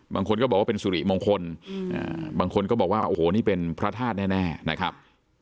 บางคนก็บอกว่าเป็นสุริมงคลบางคนก็บอกว่าโอ้โหนี่เป็นพระธาตุแน่นะครับ